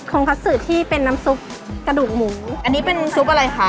ทองคัตซึที่เป็นน้ำซุปกระดูกหมูอันนี้เป็นซุปอะไรคะ